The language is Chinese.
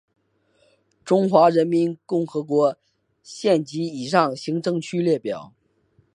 中华人民共和国县级以上行政区列表